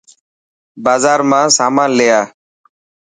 بازار مان سامان لي آ.